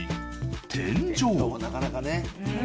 天井もなかなかね。